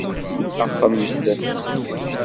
Axemt!